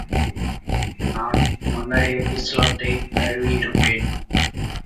நான் முன்னரே இஸ்லாத்தைத் தழுவியிருப்பேன்.